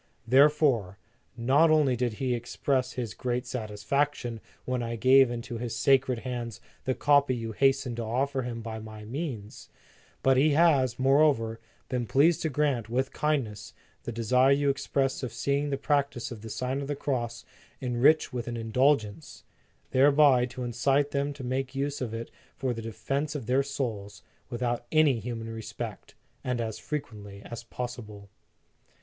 Therefore, not only did he express his great satisfaction when I gave into his sacred hands the copy you hastened to offer him by my means, but he has, moreover, been pleased to grant, with kindness, the desire you expressed of seeing the practice of the Sign of the Cross enriched with an indul gence, thereby to incite them to make use of it for the defence of their souls, without any human respect, and as frequently as possible.